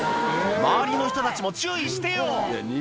周りの人たちも注意してよ！